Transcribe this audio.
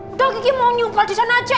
udah kiki mau nyumpel di sana aja